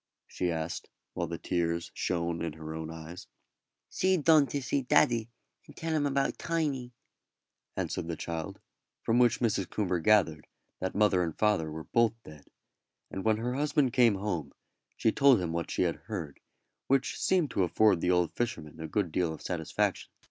she asked, while the tears shone in her own eyes. "See done to see daddy, and tell him about Tiny," answered the child; from which Mrs. Coomber gathered that mother and father were both dead; and when her husband came home she told him what she had heard, which seemed to afford the old fisherman a good deal of satisfaction.